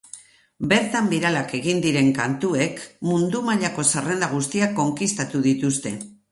Bertan biralak egin diren kantuek mundu mailako zerrenda guztiak konkistatu dituzte.